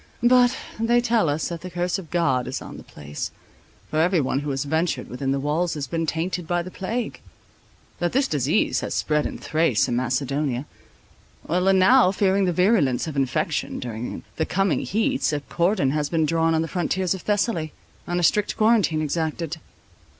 But they tell us that the curse of God is on the place, for every one who has ventured within the walls has been tainted by the plague; that this disease has spread in Thrace and Macedonia; and now, fearing the virulence of infection during the coming heats, a cordon has been drawn on the frontiers of Thessaly, and a strict quarantine exacted."